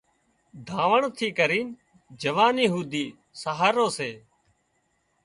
ڌاوڻ ٿِي ڪرينَ جوانِي هوڌي سهارو سي